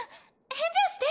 返事をして！